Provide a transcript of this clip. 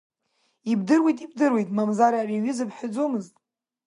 Ибдыруеит, ибдыруеит, мамзар ари аҩыза бҳәаӡомызт.